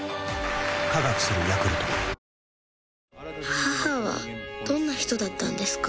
母はどんな人だったんですか？